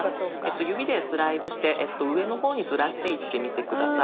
指でスライドして上の方にずらしていってみて下さい。